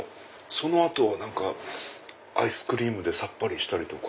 その後はアイスクリームでさっぱりしたりとか。